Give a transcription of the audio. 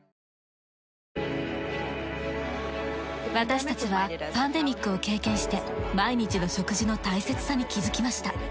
私たちはパンデミックを経験して毎日の食事の大切さに気づきました。